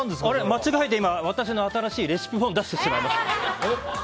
間違えて私の新しいレシピ本を出してしまいました。